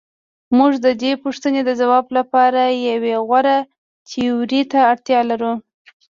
موږ د دې پوښتنې د ځواب لپاره یوې غوره تیورۍ ته اړتیا لرو.